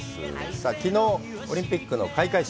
さあ、きのう、オリンピックの開会式。